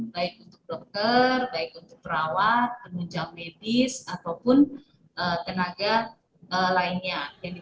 baik untuk dokter baik untuk perawat penunjang medis ataupun tenaga lainnya